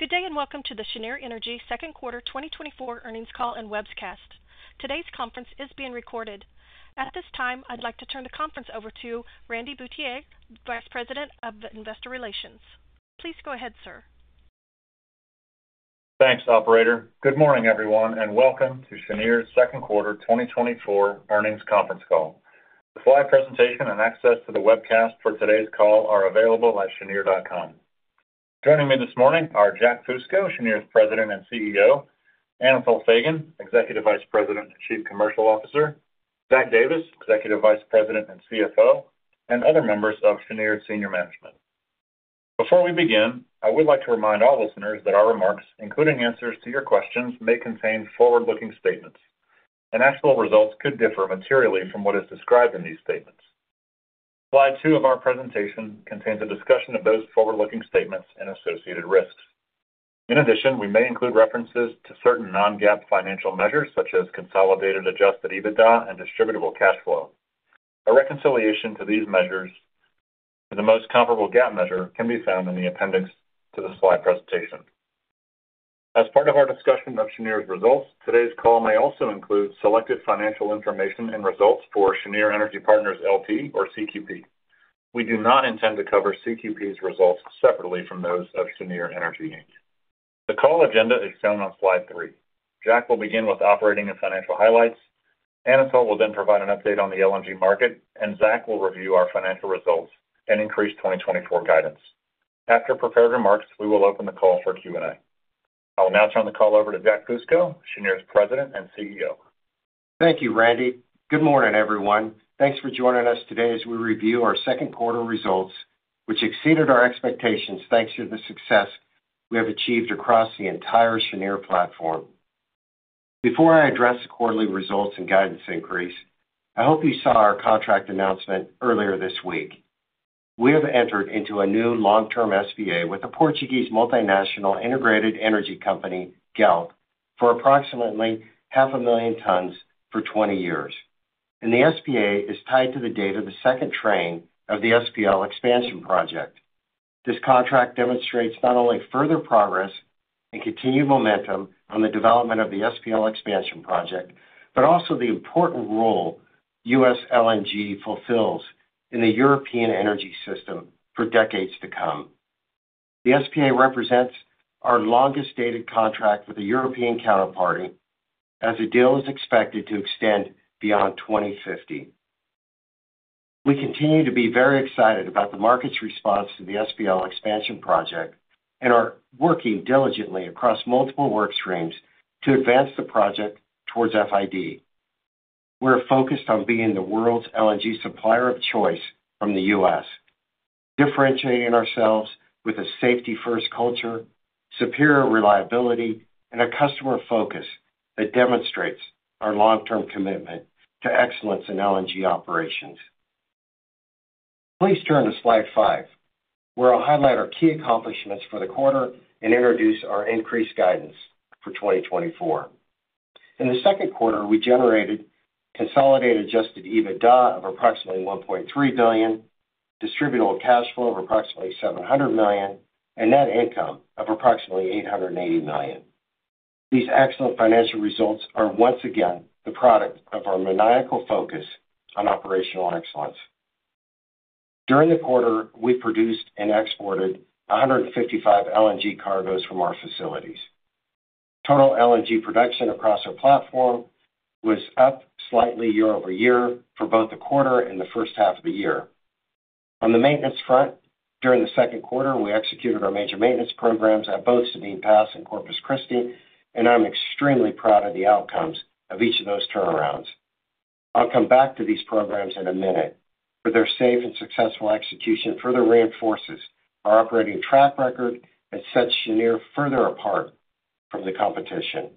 Good day and welcome to the Cheniere Energy second quarter 2024 earnings call and webcast. Today's conference is being recorded. At this time, I'd like to turn the conference over to Randy Bhatia, Vice President of Investor Relations. Please go ahead, sir. Thanks, Operator. Good morning, everyone, and welcome to Cheniere's second quarter 2024 earnings conference call. The slide presentation and access to the webcast for today's call are available at cheniere.com. Joining me this morning are Jack Fusco, Cheniere's President and CEO, Anatol Feygin, Executive Vice President and Chief Commercial Officer, Zach Davis, Executive Vice President and CFO, and other members of Cheniere's senior management. Before we begin, I would like to remind all listeners that our remarks, including answers to your questions, may contain forward-looking statements, and actual results could differ materially from what is described in these statements. Slide two of our presentation contains a discussion of those forward-looking statements and associated risks. In addition, we may include references to certain non-GAAP financial measures, such as consolidated adjusted EBITDA and distributable cash flow. A reconciliation to these measures to the most comparable GAAP measure can be found in the appendix to the slide presentation. As part of our discussion of Cheniere's results, today's call may also include selected financial information and results for Cheniere Energy Partners, L.P. or CQP. We do not intend to cover CQP's results separately from those of Cheniere Energy. The call agenda is shown on slide three. Jack will begin with operating and financial highlights. Anatol will then provide an update on the LNG market, and Zach will review our financial results and increase 2024 guidance. After prepared remarks, we will open the call for Q&A. I will now turn the call over to Jack Fusco, Cheniere's President and CEO. Thank you, Randy. Good morning, everyone. Thanks for joining us today as we review our second quarter results, which exceeded our expectations thanks to the success we have achieved across the entire Cheniere platform. Before I address the quarterly results and guidance increase, I hope you saw our contract announcement earlier this week. We have entered into a new long-term SPA with the Portuguese multinational integrated energy company, Galp, for approximately 500,000 tons for 20 years. The SPA is tied to the date of the second train of the SPL expansion project. This contract demonstrates not only further progress and continued momentum on the development of the SPL expansion project, but also the important role U.S. LNG fulfills in the European energy system for decades to come. The SPA represents our longest dated contract with a European counterparty, as the deal is expected to extend beyond 2050. We continue to be very excited about the market's response to the SPL expansion project and are working diligently across multiple workstreams to advance the project towards FID. We're focused on being the world's LNG supplier of choice from the U.S., differentiating ourselves with a safety-first culture, superior reliability, and a customer focus that demonstrates our long-term commitment to excellence in LNG operations. Please turn to slide five, where I'll highlight our key accomplishments for the quarter and introduce our increased guidance for 2024. In the second quarter, we generated consolidated adjusted EBITDA of approximately $1.3 billion, distributable cash flow of approximately $700 million, and net income of approximately $880 million. These excellent financial results are once again the product of our maniacal focus on operational excellence. During the quarter, we produced and exported 155 LNG cargoes from our facilities. Total LNG production across our platform was up slightly year-over-year for both the quarter and the first half of the year. On the maintenance front, during the second quarter, we executed our major maintenance programs at both Sabine Pass and Corpus Christi, and I'm extremely proud of the outcomes of each of those turnarounds. I'll come back to these programs in a minute, but their safe and successful execution further reinforces our operating track record that sets Cheniere further apart from the competition.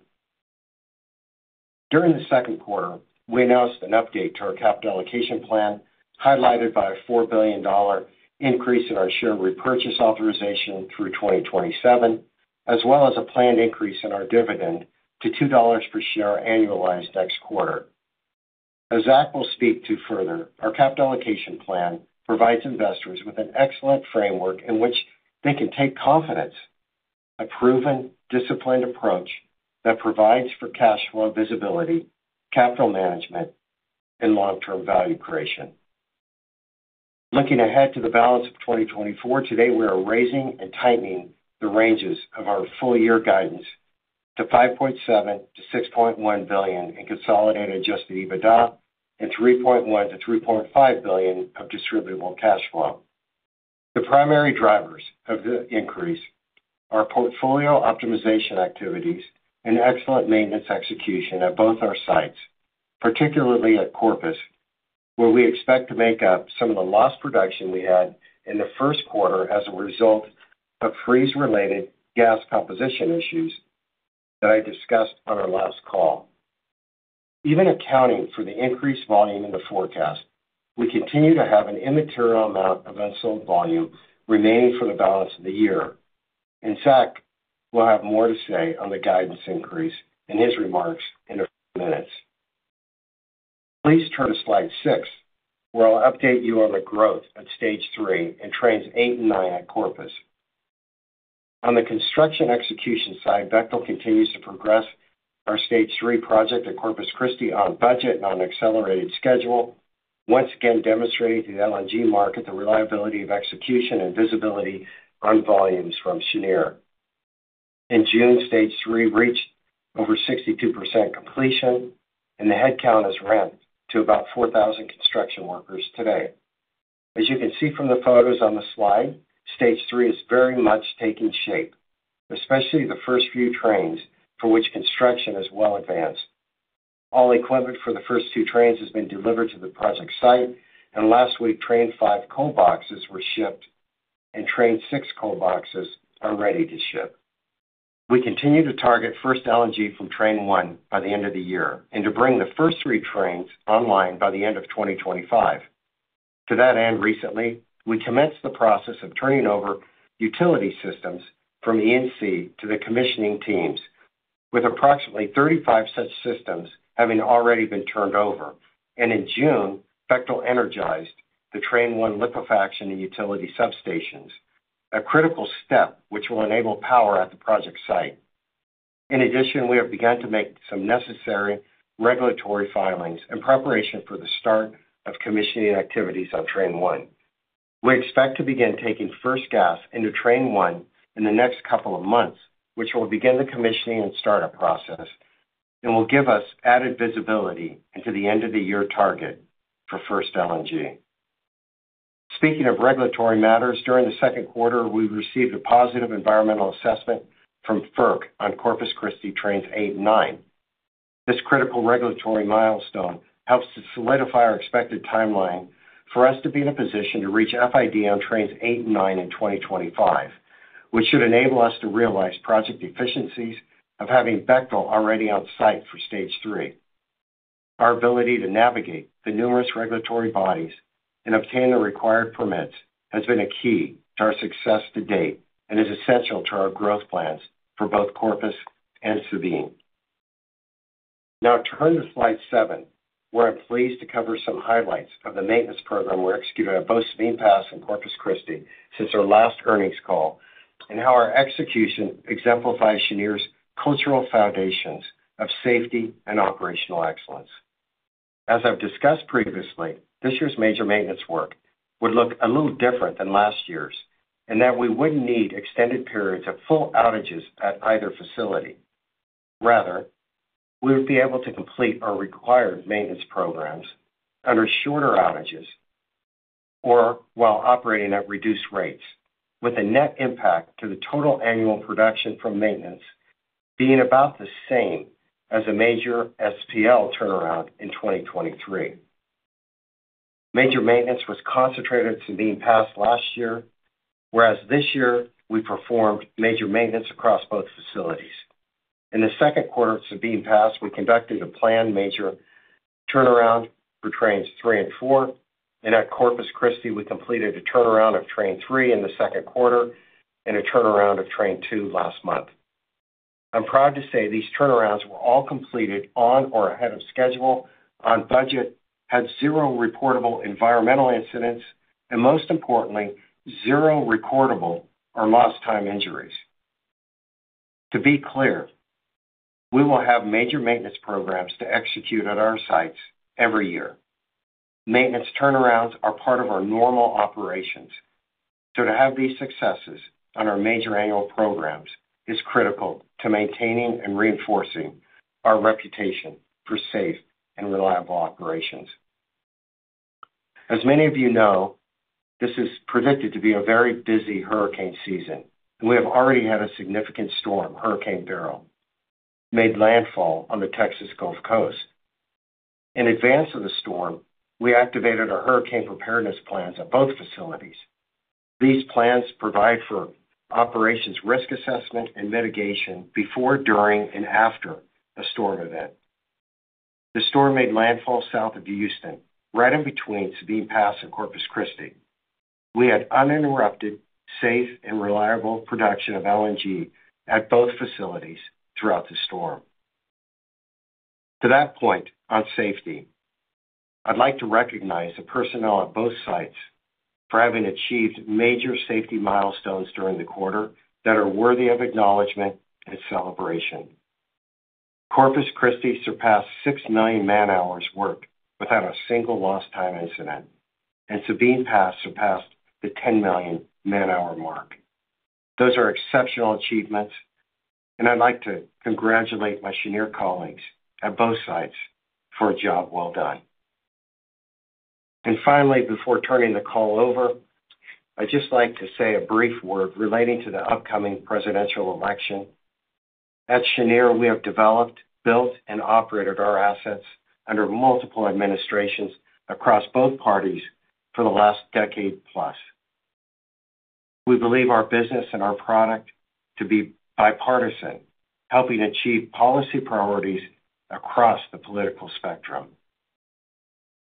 During the second quarter, we announced an update to our capital allocation plan, highlighted by a $4 billion increase in our share repurchase authorization through 2027, as well as a planned increase in our dividend to $2 per share annualized next quarter. As Zach will speak to further, our capital allocation plan provides investors with an excellent framework in which they can take confidence in a proven, disciplined approach that provides for cash flow visibility, capital management, and long-term value creation. Looking ahead to the balance of 2024, today we are raising and tightening the ranges of our full-year guidance to $5.7 billion-$6.1 billion in Consolidated Adjusted EBITDA and $3.1 billion-$3.5 billion of distributable cash flow. The primary drivers of the increase are portfolio optimization activities and excellent maintenance execution at both our sites, particularly at Corpus, where we expect to make up some of the lost production we had in the first quarter as a result of freeze-related gas composition issues that I discussed on our last call. Even accounting for the increased volume in the forecast, we continue to have an immaterial amount of unsold volume remaining for the balance of the year. In fact, we'll have more to say on the guidance increase in his remarks in a few minutes. Please turn to slide six, where I'll update you on the growth at Stage 3 and trains 8 and 9 at Corpus. On the construction execution side, Bechtel continues to progress our Stage 3 project at Corpus Christi on budget and on an accelerated schedule, once again demonstrating to the LNG market the reliability of execution and visibility on volumes from Cheniere. In June, Stage 3 reached over 62% completion, and the headcount has ramped to about 4,000 construction workers today. As you can see from the photos on the slide, Stage 3 is very much taking shape, especially the first few trains for which construction is well advanced. All equipment for the first 2 trains has been delivered to the project site, and last week, Train 5 cold boxes were shipped, and Train 6 cold boxes are ready to ship. We continue to target first LNG from Train 1 by the end of the year and to bring the first 3 trains online by the end of 2025. To that end, recently, we commenced the process of turning over utility systems from E&C to the commissioning teams, with approximately 35 such systems having already been turned over. In June, Bechtel energized the Train 1 liquefaction and utility substations, a critical step which will enable power at the project site. In addition, we have begun to make some necessary regulatory filings in preparation for the start of commissioning activities on Train 1. We expect to begin taking first gas into Train 1 in the next couple of months, which will begin the commissioning and startup process, and will give us added visibility into the end-of-the-year target for first LNG. Speaking of regulatory matters, during the second quarter, we received a positive environmental assessment from FERC on Corpus Christi trains 8 and 9. This critical regulatory milestone helps to solidify our expected timeline for us to be in a position to reach FID on trains 8 and 9 in 2025, which should enable us to realize project efficiencies of having Bechtel already on site for Stage 3. Our ability to navigate the numerous regulatory bodies and obtain the required permits has been a key to our success to date and is essential to our growth plans for both Corpus and Sabine. Now, turn to slide seven, where I'm pleased to cover some highlights of the maintenance program we're executing at both Sabine Pass and Corpus Christi since our last earnings call, and how our execution exemplifies Cheniere's cultural foundations of safety and operational excellence. As I've discussed previously, this year's major maintenance work would look a little different than last year's in that we wouldn't need extended periods of full outages at either facility. Rather, we would be able to complete our required maintenance programs under shorter outages or while operating at reduced rates, with a net impact to the total annual production from maintenance being about the same as a major SPL turnaround in 2023. Major maintenance was concentrated at Sabine Pass last year, whereas this year we performed major maintenance across both facilities. In the second quarter at Sabine Pass, we conducted a planned major turnaround for trains 3 and 4, and at Corpus Christi, we completed a turnaround of Train 3 in the second quarter and a turnaround of Train 2 last month. I'm proud to say these turnarounds were all completed on or ahead of schedule, on budget, had zero reportable environmental incidents, and most importantly, zero recordable or lost time injuries. To be clear, we will have major maintenance programs to execute at our sites every year. Maintenance turnarounds are part of our normal operations, so to have these successes on our major annual programs is critical to maintaining and reinforcing our reputation for safe and reliable operations. As many of you know, this is predicted to be a very busy hurricane season, and we have already had a significant storm, Hurricane Beryl, made landfall on the Texas Gulf Coast. In advance of the storm, we activated our hurricane preparedness plans at both facilities. These plans provide for operations risk assessment and mitigation before, during, and after a storm event. The storm made landfall south of Houston, right in between Sabine Pass and Corpus Christi. We had uninterrupted, safe, and reliable production of LNG at both facilities throughout the storm. To that point on safety, I'd like to recognize the personnel at both sites for having achieved major safety milestones during the quarter that are worthy of acknowledgment and celebration. Corpus Christi surpassed 6 million man-hours work without a single lost time incident, and Sabine Pass surpassed the 10 million man-hour mark. Those are exceptional achievements, and I'd like to congratulate my Cheniere colleagues at both sites for a job well done. Finally, before turning the call over, I'd just like to say a brief word relating to the upcoming presidential election. At Cheniere, we have developed, built, and operated our assets under multiple administrations across both parties for the last decade plus. We believe our business and our product to be bipartisan, helping achieve policy priorities across the political spectrum: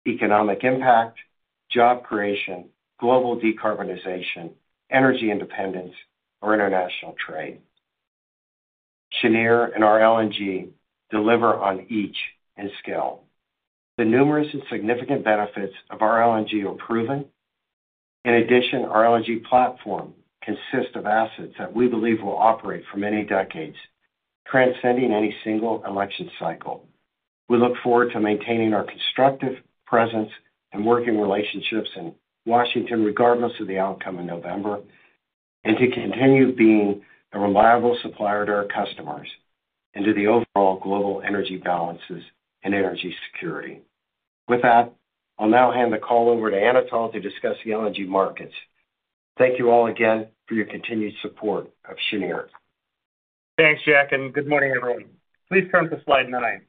economic impact, job creation, global decarbonization, energy independence, or international trade. Cheniere and our LNG deliver on each and scale. The numerous and significant benefits of our LNG are proven. In addition, our LNG platform consists of assets that we believe will operate for many decades, transcending any single election cycle. We look forward to maintaining our constructive presence and working relationships in Washington, regardless of the outcome in November, and to continue being a reliable supplier to our customers and to the overall global energy balances and energy security. With that, I'll now hand the call over to Anatol to discuss the LNG markets. Thank you all again for your continued support of Cheniere. Thanks, Jack, and good morning, everyone. Please turn to slide nine.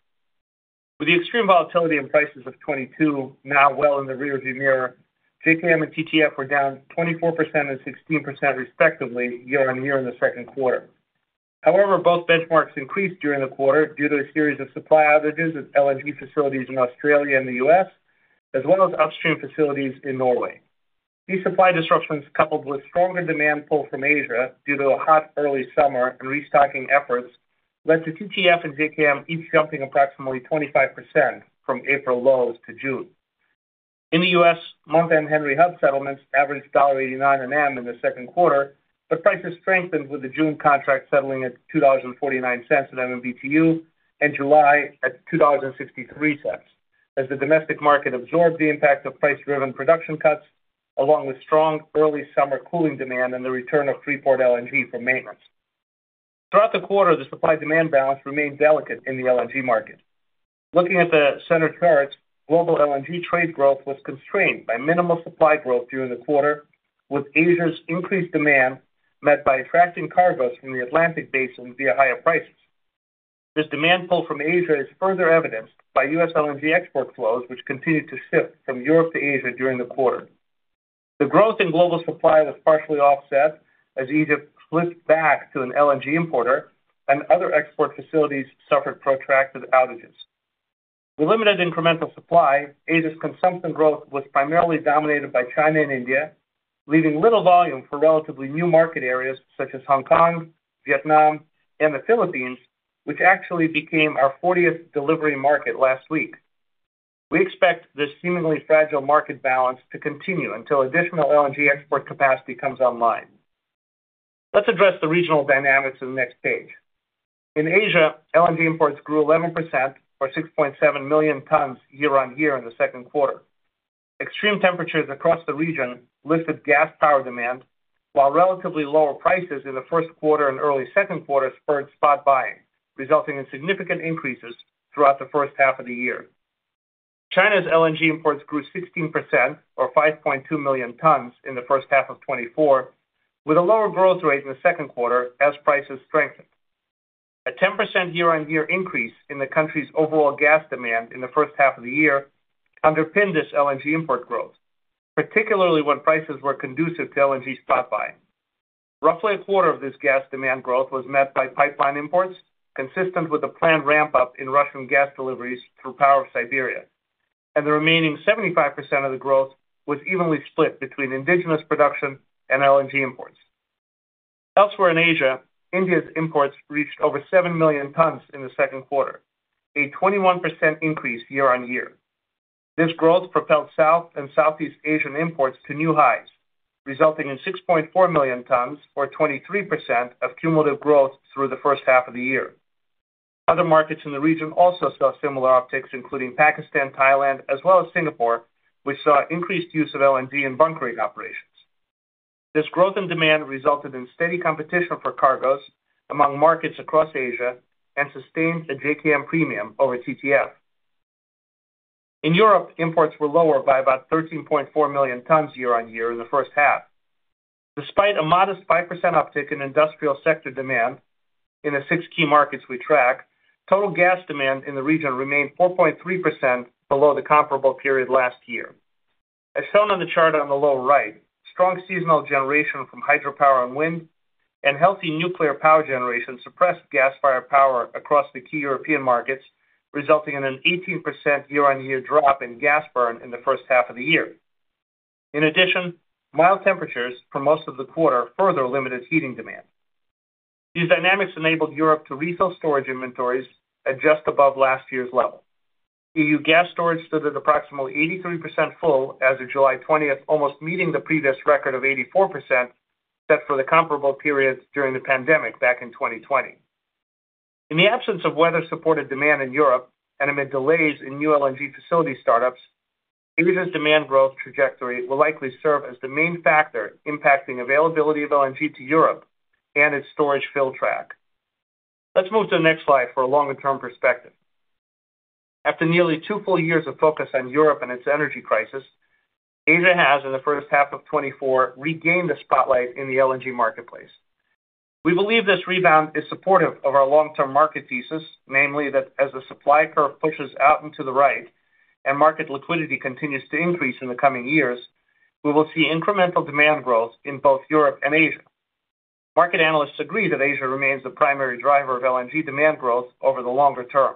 With the extreme volatility in prices of 2022, now well in the rearview mirror, JKM and TTF were down 24% and 16% respectively year-over-year in the second quarter. However, both benchmarks increased during the quarter due to a series of supply outages at LNG facilities in Australia and the U.S., as well as upstream facilities in Norway. These supply disruptions, coupled with stronger demand pull from Asia due to a hot early summer and restocking efforts, led to TTF and JKM each jumping approximately 25% from April lows to June. In the U.S., Mont and Henry Hub settlements averaged $1.89 in the second quarter, but prices strengthened with the June contract settling at $2.49 per MMBTU and July at $2.63, as the domestic market absorbed the impact of price-driven production cuts, along with strong early summer cooling demand and the return of Freeport LNG from maintenance. Throughout the quarter, the supply-demand balance remained delicate in the LNG market. Looking at the center chart, global LNG trade growth was constrained by minimal supply growth during the quarter, with Asia's increased demand met by attracting cargoes from the Atlantic basin via higher prices. This demand pull from Asia is further evidenced by U.S. LNG export flows, which continued to shift from Europe to Asia during the quarter. The growth in global supply was partially offset as Egypt slipped back to an LNG importer, and other export facilities suffered protracted outages. With limited incremental supply, Asia's consumption growth was primarily dominated by China and India, leaving little volume for relatively new market areas such as Hong Kong, Vietnam, and the Philippines, which actually became our 40th delivery market last week. We expect this seemingly fragile market balance to continue until additional LNG export capacity comes online. Let's address the regional dynamics in the next page. In Asia, LNG imports grew 11%, or 6.7 million tons, year-over-year in the second quarter. Extreme temperatures across the region lifted gas power demand, while relatively lower prices in the first quarter and early second quarter spurred spot buying, resulting in significant increases throughout the first half of the year. China's LNG imports grew 16%, or 5.2 million tons, in the first half of 2024, with a lower growth rate in the second quarter as prices strengthened. A 10% year-on-year increase in the country's overall gas demand in the first half of the year underpinned this LNG import growth, particularly when prices were conducive to LNG spot buying. Roughly a quarter of this gas demand growth was met by pipeline imports, consistent with the planned ramp-up in Russian gas deliveries through Power of Siberia, and the remaining 75% of the growth was evenly split between indigenous production and LNG imports. Elsewhere in Asia, India's imports reached over 7 million tons in the second quarter, a 21% increase year-on-year. This growth propelled South and Southeast Asian imports to new highs, resulting in 6.4 million tons, or 23% of cumulative growth through the first half of the year. Other markets in the region also saw similar upticks, including Pakistan, Thailand, as well as Singapore, which saw increased use of LNG in bunkering operations. This growth in demand resulted in steady competition for cargoes among markets across Asia and sustained a JKM premium over TTF. In Europe, imports were lower by about 13.4 million tons year-on-year in the first half. Despite a modest 5% uptick in industrial sector demand in the six key markets we track, total gas demand in the region remained 4.3% below the comparable period last year. As shown on the chart on the lower right, strong seasonal generation from hydropower and wind and healthy nuclear power generation suppressed gas-fired power across the key European markets, resulting in an 18% year-on-year drop in gas burn in the first half of the year. In addition, mild temperatures for most of the quarter further limited heating demand. These dynamics enabled Europe to refill storage inventories at just above last year's level. E.U. gas storage stood at approximately 83% full as of July 20, almost meeting the previous record of 84% set for the comparable period during the pandemic back in 2020. In the absence of weather-supported demand in Europe and amid delays in new LNG facility startups, Asia's demand growth trajectory will likely serve as the main factor impacting availability of LNG to Europe and its storage fill track. Let's move to the next slide for a longer-term perspective. After nearly two full years of focus on Europe and its energy crisis, Asia has, in the first half of 2024, regained the spotlight in the LNG marketplace. We believe this rebound is supportive of our long-term market thesis, namely that as the supply curve pushes out into the right and market liquidity continues to increase in the coming years, we will see incremental demand growth in both Europe and Asia. Market analysts agree that Asia remains the primary driver of LNG demand growth over the longer-term.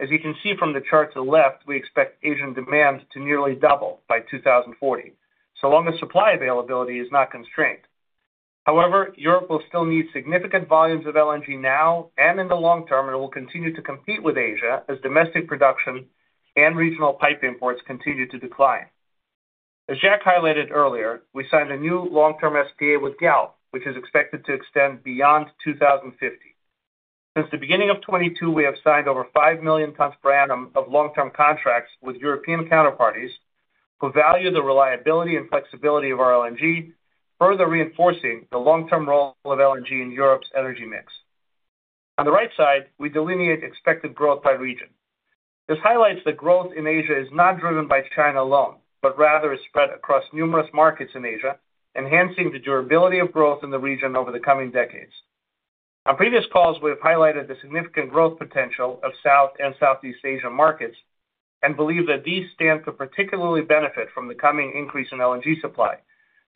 As you can see from the chart to the left, we expect Asian demand to nearly double by 2040, so long as supply availability is not constrained. However, Europe will still need significant volumes of LNG now and in the long-term, and it will continue to compete with Asia as domestic production and regional pipe imports continue to decline. As Jack highlighted earlier, we signed a new long-term SPA with Galp, which is expected to extend beyond 2050. Since the beginning of 2022, we have signed over 5 million tons per annum of long-term contracts with European counterparties who value the reliability and flexibility of our LNG, further reinforcing the long-term role of LNG in Europe's energy mix. On the right side, we delineate expected growth by region. This highlights that growth in Asia is not driven by China alone, but rather is spread across numerous markets in Asia, enhancing the durability of growth in the region over the coming decades. On previous calls, we have highlighted the significant growth potential of South and Southeast Asia markets and believe that these stand to particularly benefit from the coming increase in LNG supply,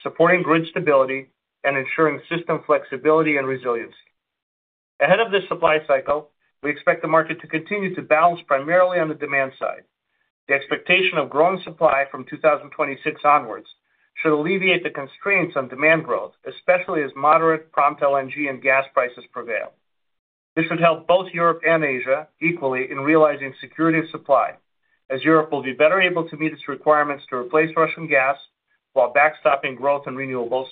supporting grid stability and ensuring system flexibility and resiliency. Ahead of this supply cycle, we expect the market to continue to balance primarily on the demand side. The expectation of growing supply from 2026 onwards should alleviate the constraints on demand growth, especially as moderate prompt LNG and gas prices prevail. This would help both Europe and Asia equally in realizing security of supply, as Europe will be better able to meet its requirements to replace Russian gas while backstopping growth in renewables,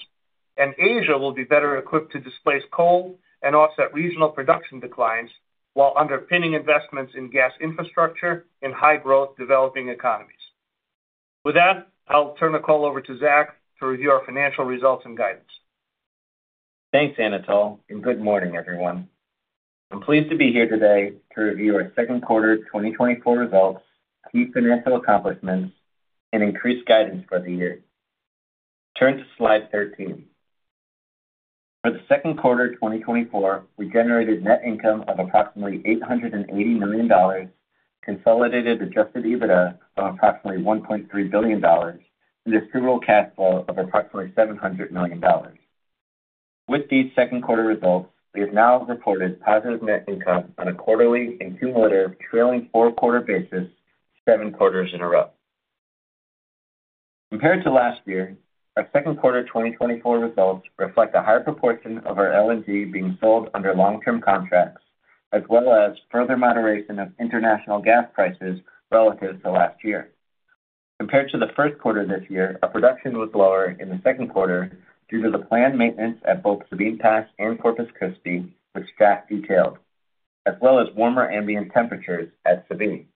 and Asia will be better equipped to displace coal and offset regional production declines while underpinning investments in gas infrastructure in high-growth developing economies. With that, I'll turn the call over to Zach to review our financial results and guidance. Thanks, Anatol, and good morning, everyone. I'm pleased to be here today to review our second quarter 2024 results, key financial accomplishments, and increased guidance for the year. Turn to slide 13. For the second quarter 2024, we generated net income of approximately $880 million, consolidated adjusted EBITDA of approximately $1.3 billion, and distributable cash flow of approximately $700 million. With these second quarter results, we have now reported positive net income on a quarterly and cumulative trailing four-quarter basis seven quarters in a row. Compared to last year, our second quarter 2024 results reflect a higher proportion of our LNG being sold under long-term contracts, as well as further moderation of international gas prices relative to last year. Compared to the first quarter this year, our production was lower in the second quarter due to the planned maintenance at both Sabine Pass and Corpus Christi, which Jack detailed, as well as warmer ambient temperatures at Sabine.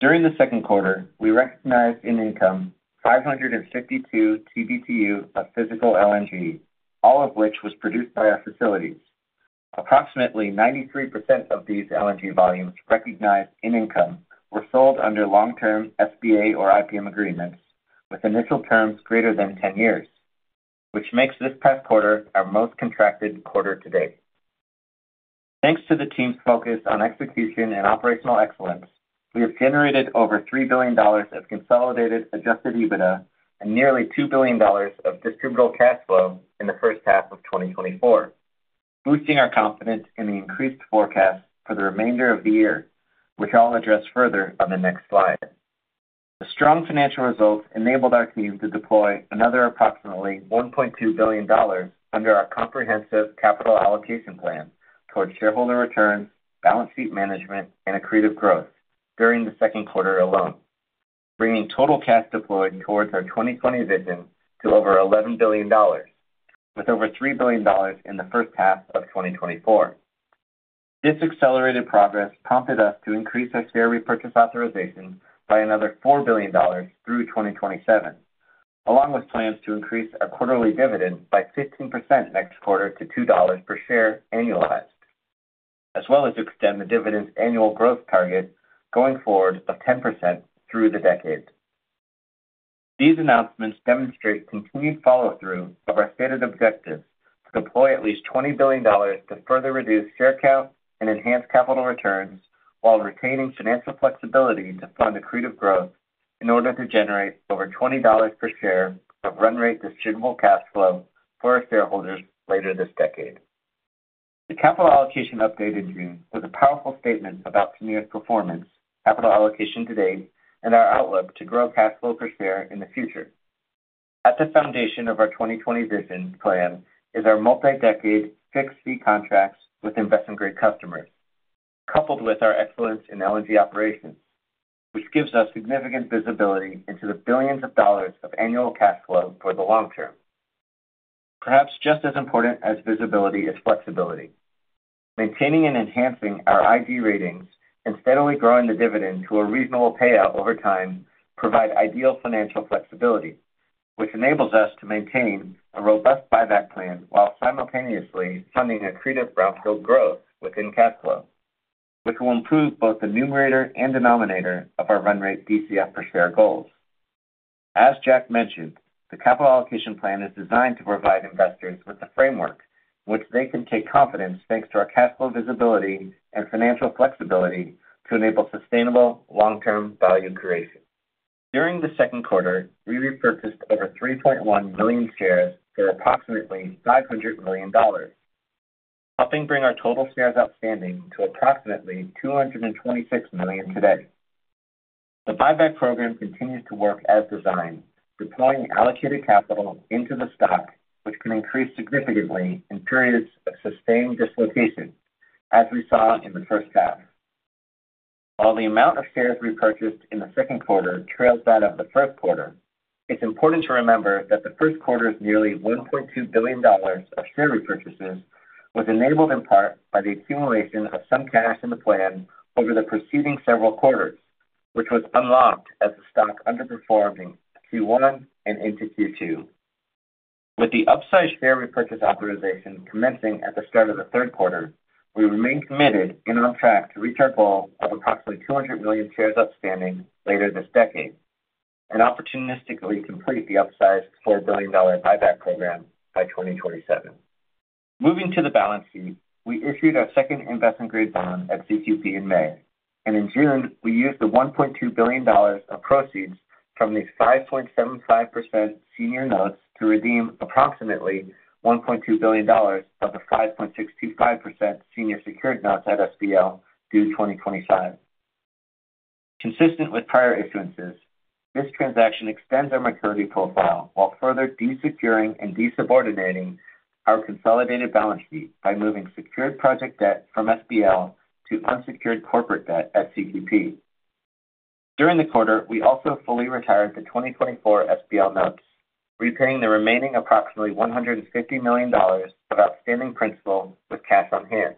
During the second quarter, we recognized in income 552 TBTU of physical LNG, all of which was produced by our facilities. Approximately 93% of these LNG volumes recognized in income were sold under long-term SPA or IPM agreements, with initial terms greater than 10 years, which makes this past quarter our most contracted quarter to date. Thanks to the team's focus on execution and operational excellence, we have generated over $3 billion of consolidated adjusted EBITDA and nearly $2 billion of distributable cash flow in the first half of 2024, boosting our confidence in the increased forecast for the remainder of the year, which I'll address further on the next slide. The strong financial results enabled our team to deploy another approximately $1.2 billion under our comprehensive capital allocation plan towards shareholder returns, balance sheet management, and accretive growth during the second quarter alone, bringing total cash deployed towards our 2020 vision to over $11 billion, with over $3 billion in the first half of 2024. This accelerated progress prompted us to increase our share repurchase authorization by another $4 billion through 2027, along with plans to increase our quarterly dividend by 15% next quarter to $2 per share annualized, as well as extend the dividend's annual growth target going forward of 10% through the decade. These announcements demonstrate continued follow-through of our stated objective to deploy at least $20 billion to further reduce share count and enhance capital returns while retaining financial flexibility to fund accretive growth in order to generate over $20 per share of run rate distributable cash flow for our shareholders later this decade. The capital allocation update in June was a powerful statement about Cheniere's performance, capital allocation today, and our outlook to grow cash flow per share in the future. At the foundation of our 2020 vision plan is our multi-decade fixed fee contracts with investment-grade customers, coupled with our excellence in LNG operations, which gives us significant visibility into $ billions of annual cash flow for the long-term. Perhaps just as important as visibility is flexibility. Maintaining and enhancing our IG ratings and steadily growing the dividend to a reasonable payout over time provide ideal financial flexibility, which enables us to maintain a robust buyback plan while simultaneously funding accretive brownfield growth within cash flow, which will improve both the numerator and denominator of our run rate DCF per share goals. As Jack mentioned, the capital allocation plan is designed to provide investors with the framework, which they can take confidence thanks to our cash flow visibility and financial flexibility to enable sustainable long-term value creation. During the second quarter, we repurchased over 3.1 million shares for approximately $500 million, helping bring our total shares outstanding to approximately 226 million today. The buyback program continues to work as designed, deploying allocated capital into the stock, which can increase significantly in periods of sustained dislocation, as we saw in the first half. While the amount of shares repurchased in the second quarter trails that of the first quarter, it's important to remember that the first quarter's nearly $1.2 billion of share repurchases was enabled in part by the accumulation of some cash in the plan over the preceding several quarters, which was unlocked as the stock underperformed in Q1 and into Q2. With the upsized share repurchase authorization commencing at the start of the third quarter, we remain committed in our track to reach our goal of approximately 200 million shares outstanding later this decade and opportunistically complete the upsized $4 billion buyback program by 2027. Moving to the balance sheet, we issued our second investment-grade bond at CQP in May, and in June, we used the $1.2 billion of proceeds from these 5.75% senior notes to redeem approximately $1.2 billion of the 5.625% senior secured notes at SPL due 2025. Consistent with prior issuances, this transaction extends our maturity profile while further desecuring and desubordinating our consolidated balance sheet by moving secured project debt from SPL to unsecured corporate debt at CQP. During the quarter, we also fully retired the 2024 SPL notes, repaying the remaining approximately $150 million of outstanding principal with cash on hand.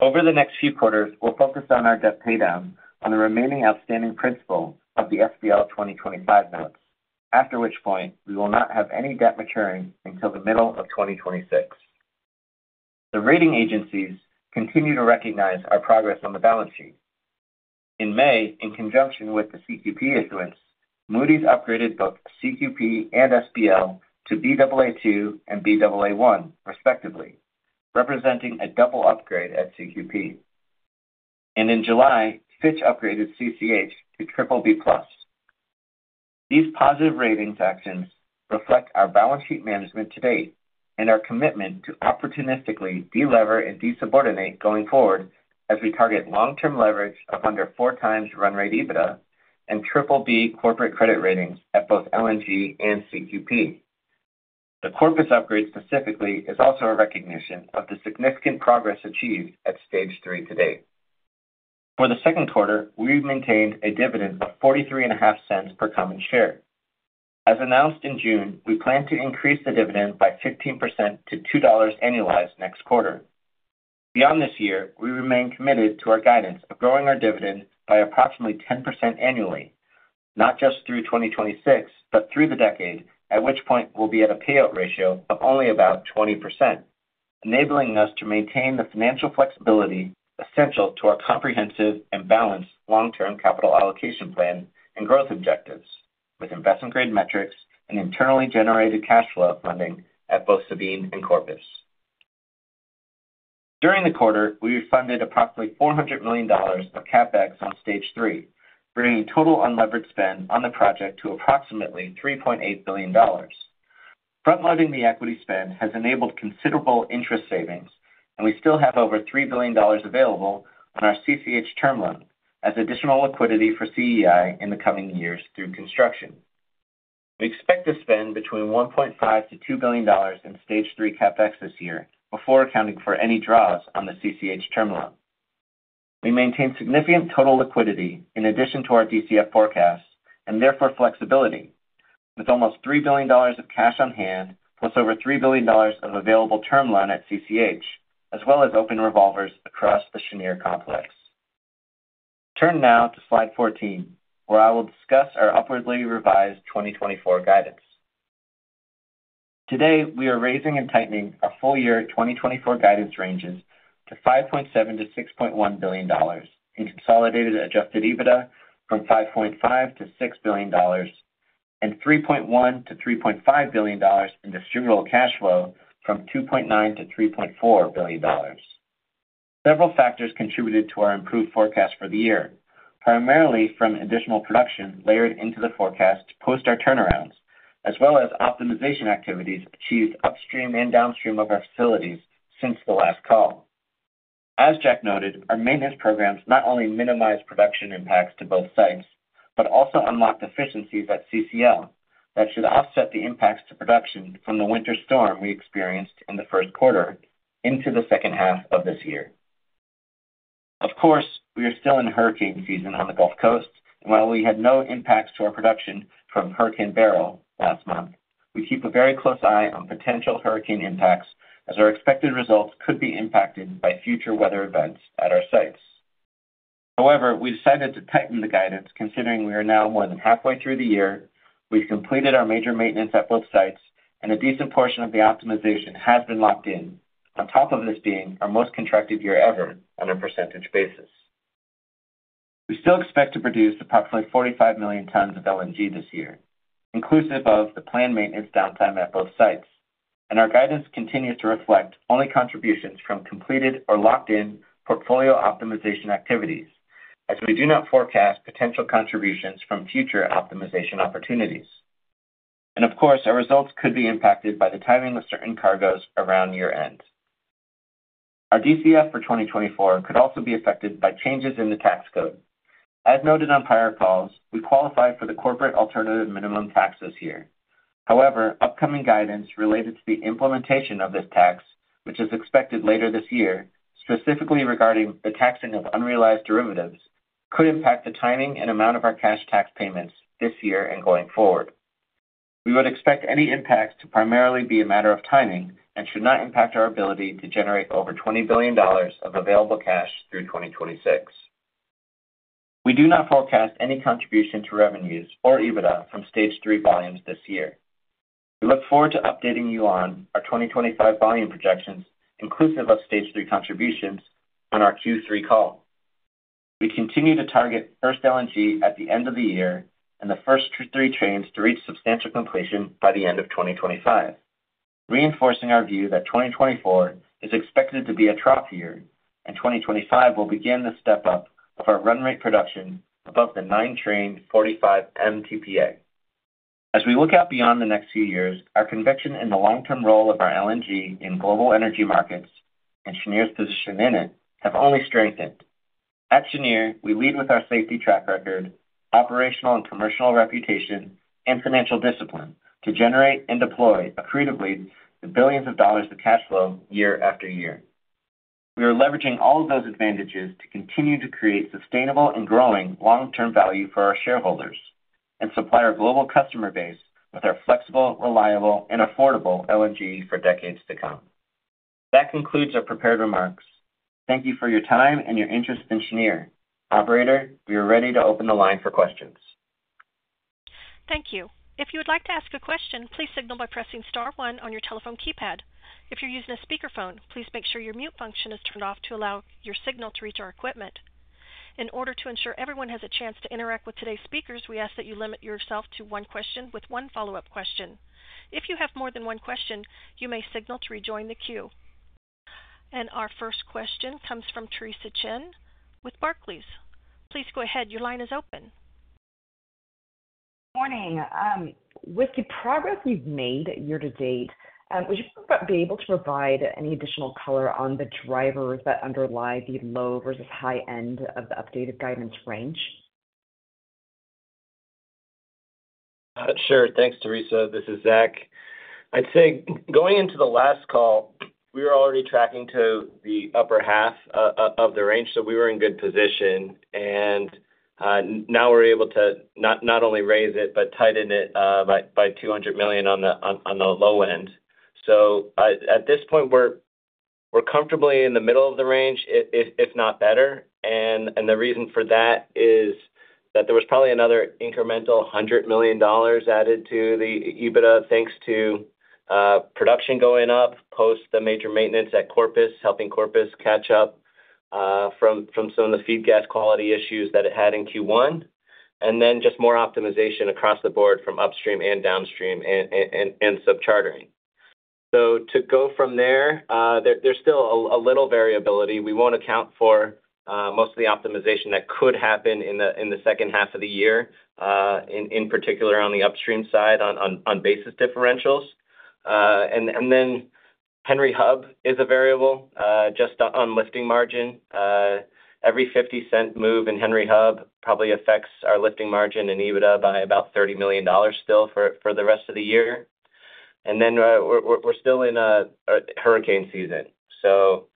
Over the next few quarters, we'll focus on our debt paydown on the remaining outstanding principal of the SPL 2025 note, after which point we will not have any debt maturing until the middle of 2026. The rating agencies continue to recognize our progress on the balance sheet. In May, in conjunction with the CQP issuance, Moody's upgraded both CQP and SPL to Baa2 and Baa1 respectively, representing a double upgrade at CQP. In July, Fitch upgraded CCH to BBB+. These positive rating actions reflect our balance sheet management to date and our commitment to opportunistically delever and desubordinate going forward as we target long-term leverage of under four times run rate EBITDA and BBB corporate credit ratings at both LNG and CQP. The CCH upgrade specifically is also a recognition of the significant progress achieved at Stage 3 today. For the second quarter, we maintained a dividend of $0.435 per common share. As announced in June, we plan to increase the dividend by 15% to $2 annualized next quarter. Beyond this year, we remain committed to our guidance of growing our dividend by approximately 10% annually, not just through 2026, but through the decade, at which point we'll be at a payout ratio of only about 20%, enabling us to maintain the financial flexibility essential to our comprehensive and balanced long-term capital allocation plan and growth objectives with investment-grade metrics and internally generated cash flow funding at both Sabine and Corpus. During the quarter, we refunded approximately $400 million of CapEx on Stage 3, bringing total unleveraged spend on the project to approximately $3.8 billion. Front-loading the equity spend has enabled considerable interest savings, and we still have over $3 billion available on our CCH term loan as additional liquidity for CEI in the coming years through construction. We expect to spend between $1.5 billion-$2 billion in Stage 3 CapEx this year before accounting for any draws on the CCH term loan. We maintain significant total liquidity in addition to our DCF forecasts and therefore flexibility, with almost $3 billion of cash on hand plus over $3 billion of available term loan at CCH, as well as open revolvers across the Cheniere complex. Turn now to slide 14, where I will discuss our upwardly revised 2024 guidance. Today, we are raising and tightening our full year 2024 guidance ranges to $5.7 billion-$6.1 billion in Consolidated Adjusted EBITDA from $5.5 billion-$6 billion and $3.1 billion-$3.5 billion in distributable cash flow from $2.9 billion-$3.4 billion. Several factors contributed to our improved forecast for the year, primarily from additional production layered into the forecast post our turnarounds, as well as optimization activities achieved upstream and downstream of our facilities since the last call. As Jack noted, our maintenance programs not only minimized production impacts to both sites, but also unlocked efficiencies at CCL that should offset the impacts to production from the winter storm we experienced in the first quarter into the second half of this year. Of course, we are still in hurricane season on the Gulf Coast, and while we had no impacts to our production from Hurricane Beryl last month, we keep a very close eye on potential hurricane impacts as our expected results could be impacted by future weather events at our sites. However, we decided to tighten the guidance considering we are now more than halfway through the year, we've completed our major maintenance at both sites, and a decent portion of the optimization has been locked in, on top of this being our most contracted year ever on a percentage basis. We still expect to produce approximately 45 million tons of LNG this year, inclusive of the planned maintenance downtime at both sites, and our guidance continues to reflect only contributions from completed or locked-in portfolio optimization activities, as we do not forecast potential contributions from future optimization opportunities. Of course, our results could be impacted by the timing of certain cargoes around year-end. Our DCF for 2024 could also be affected by changes in the tax code. As noted on prior calls, we qualify for the corporate alternative minimum taxes here. However, upcoming guidance related to the implementation of this tax, which is expected later this year, specifically regarding the taxing of unrealized derivatives, could impact the timing and amount of our cash tax payments this year and going forward. We would expect any impacts to primarily be a matter of timing and should not impact our ability to generate over $20 billion of available cash through 2026. We do not forecast any contribution to revenues or EBITDA from Stage 3 volumes this year. We look forward to updating you on our 2025 volume projections, inclusive of Stage 3 contributions on our Q3 call. We continue to target first LNG at the end of the year and the first 3 trains to reach substantial completion by the end of 2025, reinforcing our view that 2024 is expected to be a trough year and 2025 will begin the step-up of our run rate production above the nine train 45 MTPA. As we look out beyond the next few years, our conviction in the long-term role of our LNG in global energy markets and Cheniere's position in it have only strengthened. At Cheniere, we lead with our safety track record, operational and commercial reputation, and financial discipline to generate and deploy accretively the billions of dollars of cash flow year after year. We are leveraging all of those advantages to continue to create sustainable and growing long-term value for our shareholders and supply our global customer base with our flexible, reliable, and affordable LNG for decades to come. That concludes our prepared remarks. Thank you for your time and your interest in Cheniere. Operator, you're ready to open the line for questions. Thank you. If you would like to ask a question, please signal by pressing star one on your telephone keypad. If you're using a speakerphone, please make sure your mute function is turned off to allow your signal to reach our equipment. In order to ensure everyone has a chance to interact with today's speakers, we ask that you limit yourself to one question with one follow-up question. If you have more than one question, you may signal to rejoin the queue. Our first question comes from Theresa Chen with Barclays. Please go ahead. Your line is open. Morning. With the progress you've made year to date, would you be able to provide any additional color on the drivers that underlie the low versus high end of the updated guidance range? Sure. Thanks, Theresa. This is Zach. I'd say going into the last call, we were already tracking to the upper half of the range, so we were in good position. Now we're able to not only raise it, but tighten it by $200 million on the low end. So at this point, we're comfortably in the middle of the range, if not better. And the reason for that is that there was probably another incremental $100 million added to the EBITDA thanks to production going up post the major maintenance at Corpus, helping Corpus catch up from some of the feed gas quality issues that it had in Q1. And then just more optimization across the board from upstream and downstream and subchartering. So to go from there, there's still a little variability. We won't account for most of the optimization that could happen in the second half of the year, in particular on the upstream side on basis differentials. And then Henry Hub is a variable just on lifting margin. Every $0.50 move in Henry Hub probably affects our lifting margin in EBITDA by about $30 million still for the rest of the year. And then we're still in hurricane season. So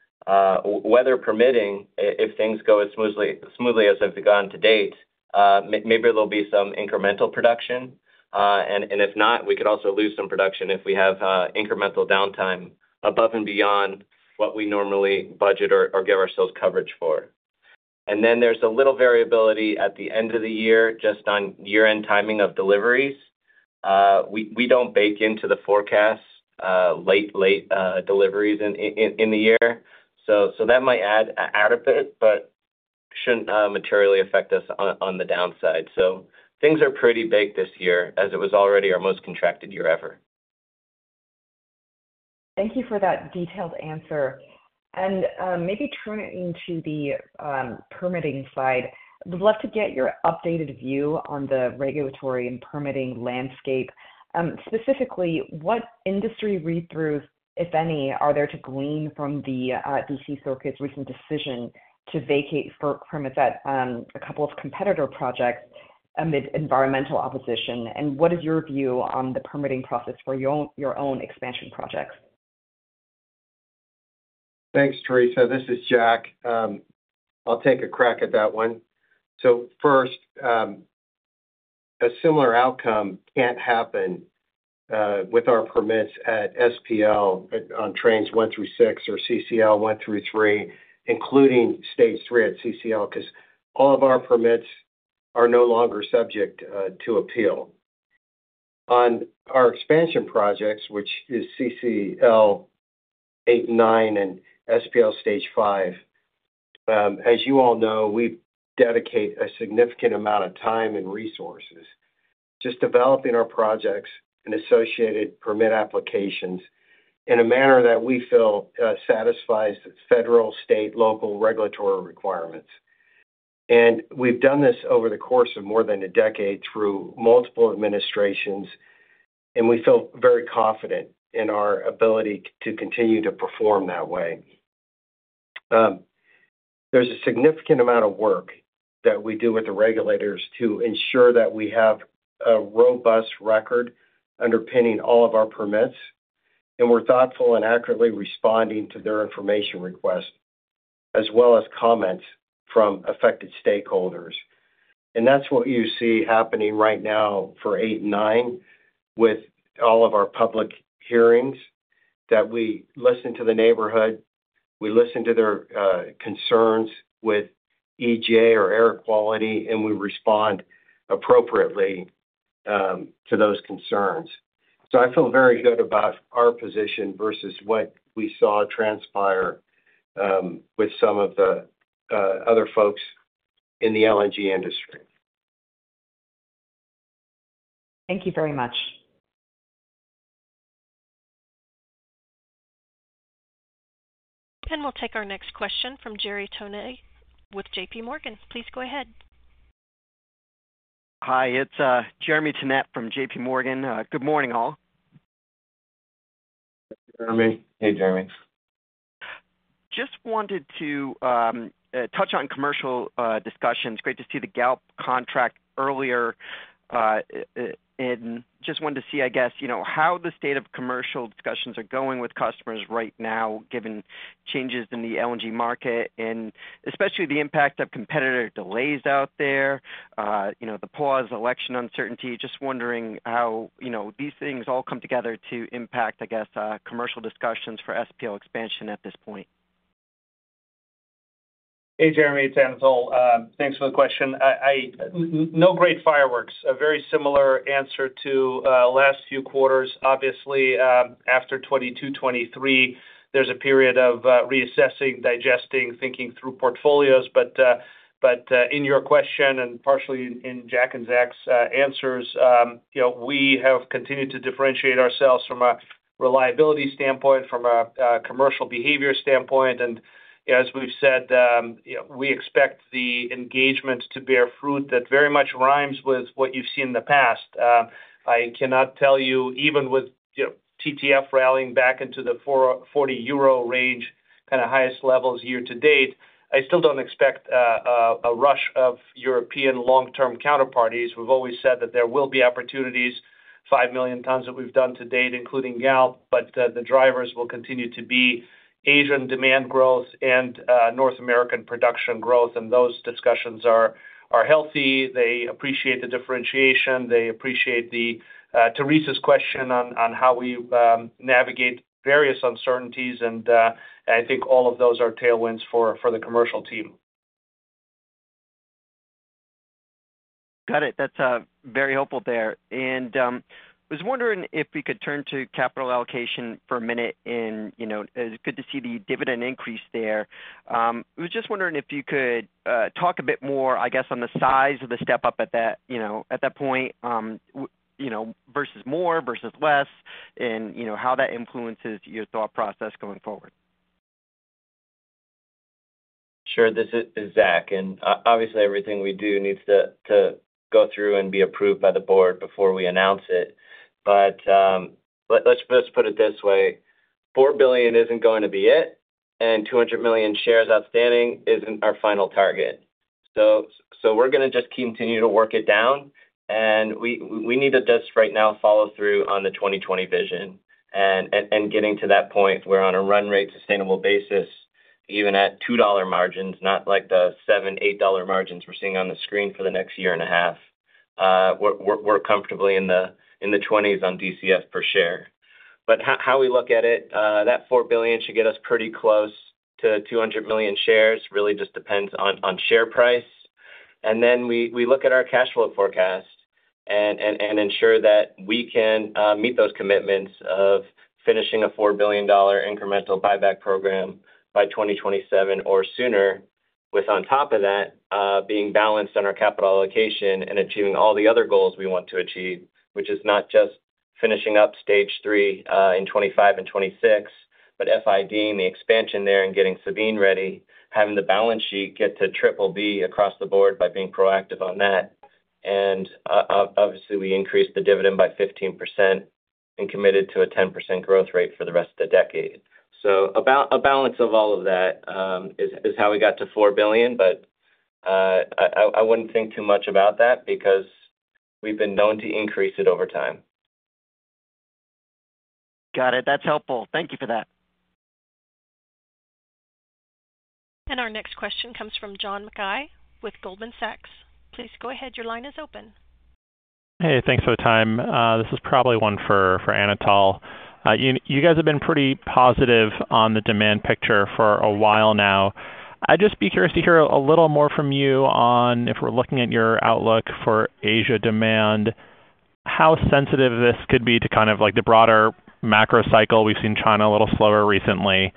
weather permitting, if things go as smoothly as they've gone to date, maybe there'll be some incremental production. And if not, we could also lose some production if we have incremental downtime above and beyond what we normally budget or give ourselves coverage for. And then there's a little variability at the end of the year just on year-end timing of deliveries. We don't bake into the forecast late deliveries in the year. So that might add out of it, but shouldn't materially affect us on the downside. So things are pretty baked this year as it was already our most contracted year ever. Thank you for that detailed answer. And maybe turning to the permitting side, we'd love to get your updated view on the regulatory and permitting landscape. Specifically, what industry read-throughs, if any, are there to glean from the FERC's recent decision to vacate a couple of competitor projects amid environmental opposition? And what is your view on the permitting process for your own expansion projects? Thanks, Theresa. This is Jack. I'll take a crack at that one. So first, a similar outcome can't happen with our permits at SPL on trains 1 through 6 or CCL 1 through 3, including Stage 3 at CCL, because all of our permits are no longer subject to appeal. On our expansion projects, which is CCL 8, 9, and SPL Stage 5, as you all know, we dedicate a significant amount of time and resources just developing our projects and associated permit applications in a manner that we feel satisfies federal, state, local regulatory requirements. And we've done this over the course of more than a decade through multiple administrations, and we feel very confident in our ability to continue to perform that way. There's a significant amount of work that we do with the regulators to ensure that we have a robust record underpinning all of our permits, and we're thoughtful and accurately responding to their information requests, as well as comments from affected stakeholders. And that's what you see happening right now for eight and nine with all of our public hearings, that we listen to the neighborhood, we listen to their concerns with EJ or air quality, and we respond appropriately to those concerns. So I feel very good about our position versus what we saw transpire with some of the other folks in the LNG industry. Thank you very much. Then we'll take our next question from Jeremy Tonet with JPMorgan. Please go ahead. Hi, it's Jeremy Tonet from JPMorgan. Good morning, all. Jeremy. Hey, Jeremy. Just wanted to touch on commercial discussions. Great to see the Galp contract earlier. And just wanted to see, I guess, how the state of commercial discussions are going with customers right now, given changes in the LNG market, and especially the impact of competitor delays out there, the pause, election uncertainty. Just wondering how these things all come together to impact, I guess, commercial discussions for SPL expansion at this point. Hey, Jeremy. Thanks for the question. No great fireworks. A very similar answer to last few quarters. Obviously, after 2022-2023, there's a period of reassessing, digesting, thinking through portfolios. But in your question and partially in Jack and Zach's answers, we have continued to differentiate ourselves from a reliability standpoint, from a commercial behavior standpoint. And as we've said, we expect the engagement to bear fruit that very much rhymes with what you've seen in the past. I cannot tell you, even with TTF rallying back into the 40 euro range, kind of highest levels year to date, I still don't expect a rush of European long-term counterparties. We've always said that there will be opportunities, 5 million tons that we've done to date, including Galp, but the drivers will continue to be Asian demand growth and North American production growth. And those discussions are healthy. They appreciate the differentiation. They appreciate Theresa's question on how we navigate various uncertainties. And I think all of those are tailwinds for the commercial team. Got it. That's very helpful there. I was wondering if we could turn to capital allocation for a minute. It's good to see the dividend increase there. I was just wondering if you could talk a bit more, I guess, on the size of the step-up at that point versus more versus less and how that influences your thought process going forward. Sure. This is Zach. Obviously, everything we do needs to go through and be approved by the board before we announce it. Let's put it this way. $4 billion isn't going to be it, and 200 million shares outstanding isn't our final target. We're going to just continue to work it down. We need to just right now follow through on the 2020 vision and getting to that point where on a run rate sustainable basis, even at $2 margins, not like the $7, $8 margins we're seeing on the screen for the next year and a half, we're comfortably in the 20s on DCF per share. How we look at it, that $4 billion should get us pretty close to 200 million shares. Really just depends on share price. Then we look at our cash flow forecast and ensure that we can meet those commitments of finishing a $4 billion incremental buyback program by 2027 or sooner, with on top of that being balanced on our capital allocation and achieving all the other goals we want to achieve, which is not just finishing up Stage 3 in 2025 and 2026, but FID the expansion there and getting Sabine ready, having the balance sheet get to triple B across the board by being proactive on that. And obviously, we increased the dividend by 15% and committed to a 10% growth rate for the rest of the decade. So a balance of all of that is how we got to $4 billion. But I wouldn't think too much about that because we've been known to increase it over time. Got it. That's helpful. Thank you for that. Our next question comes from John Mackay with Goldman Sachs. Please go ahead. Your line is open. Hey, thanks for the time. This is probably one for Anatol. You guys have been pretty positive on the demand picture for a while now. I'd just be curious to hear a little more from you on, if we're looking at your outlook for Asia demand, how sensitive this could be to kind of the broader macro cycle. We've seen China a little slower recently.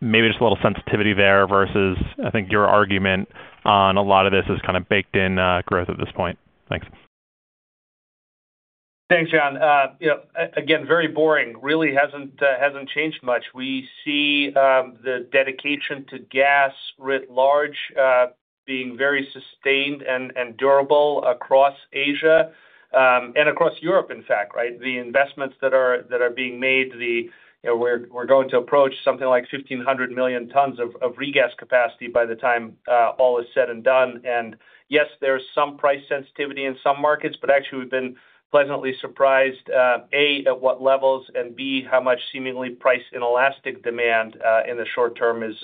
Maybe just a little sensitivity there versus, I think your argument on a lot of this is kind of baked-in growth at this point. Thanks. Thanks, John. Again, very boring. Really hasn't changed much. We see the dedication to gas writ large being very sustained and durable across Asia and across Europe, in fact, right? The investments that are being made, we're going to approach something like 1,500 million tons of regas capacity by the time all is said and done. Yes, there's some price sensitivity in some markets, but actually, we've been pleasantly surprised, A, at what levels, and B, how much seemingly price inelastic demand in the short-term is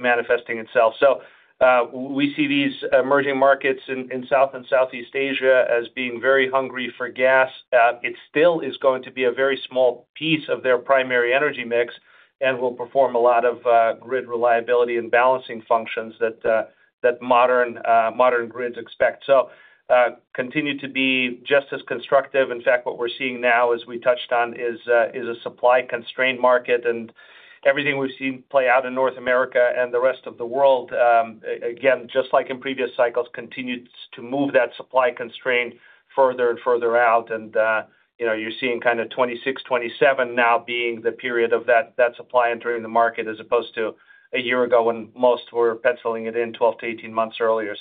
manifesting itself. We see these emerging markets in South and Southeast Asia as being very hungry for gas. It still is going to be a very small piece of their primary energy mix and will perform a lot of grid reliability and balancing functions that modern grids expect. We continue to be just as constructive. In fact, what we're seeing now, as we touched on, is a supply constrained market. Everything we've seen play out in North America and the rest of the world, again, just like in previous cycles, continues to move that supply constraint further and further out. You're seeing kind of 2026, 2027 now being the period of that supply entering the market as opposed to a year ago when most were penciling it in 12 to 18 months earlier.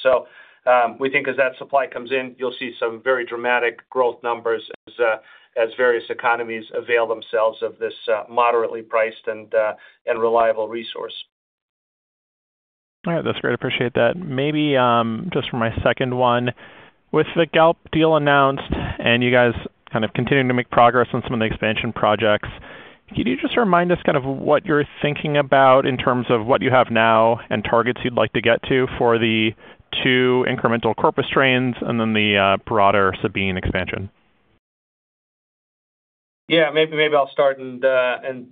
So we think as that supply comes in, you'll see some very dramatic growth numbers as various economies avail themselves of this moderately priced and reliable resource. All right. That's great. Appreciate that. Maybe just for my second one, with the Galp deal announced and you guys kind of continuing to make progress on some of the expansion projects, can you just remind us kind of what you're thinking about in terms of what you have now and targets you'd like to get to for the two incremental Corpus trains and then the broader Sabine expansion? Yeah, maybe I'll start and